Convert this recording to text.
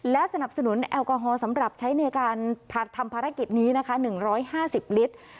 และสนับสนุนแอลกอฮอล์สำหรับใช้ในการทำภารกิจนี้นะคะ๑๕๐ลิตร